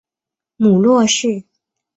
母骆氏。